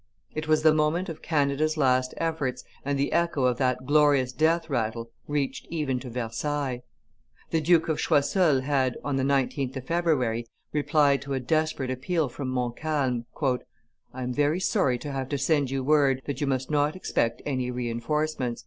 It was the moment of Canada's last efforts, and the echo of that glorious death rattle reached even to Versailles. The Duke of Choiseul had, on the 19th of February, replied to a desperate appeal from Montcalm, "I am very sorry to have to send you word that you must not expect any re enforcements.